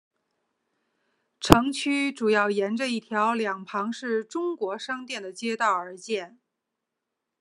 城区主要沿着一条两旁是中国商店的街道而建。